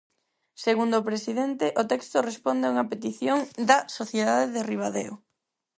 Segundo o presidente, o texto responde a unha petición "da sociedade de Ribadeo".